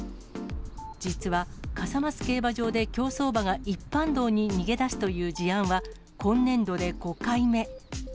実は笠松競馬場で競走馬が一般道に逃げ出すという事案は今年度で５回目。